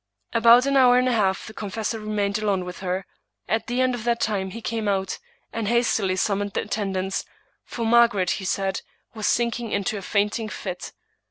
About an hour and a half the confessor remained alone with her. At the end of that time he came out, and hastily summoned the attendants, for Margaret, he said, was sink ing into a fainting fit.